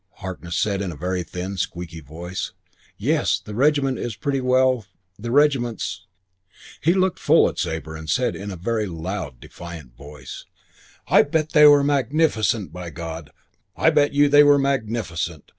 Harkness said in a very thin, squeaking voice, "Yes, the regiment's pretty well The regiment's " He looked full at Sabre and said in a very loud, defiant voice, "I bet they were magnificent. By God, I bet you they were magnificent.